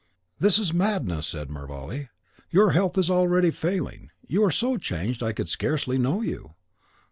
"This is madness," said Mervale; "your health is already failing; you are so changed I should scarcely know you.